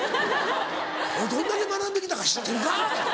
俺どんだけ学んで来たか知ってるか？